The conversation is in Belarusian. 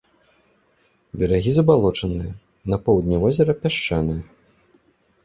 Берагі забалочаныя, на поўдні возера пясчаныя.